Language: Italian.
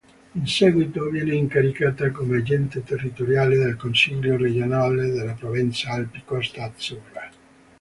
In seguito, viene incaricata come agente territoriale del consiglio regionale della Provenza-Alpi-Costa Azzurra.